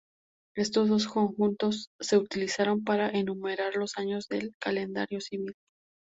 Estos dos conjuntos se utilizaron para enumerar los años del calendario civil.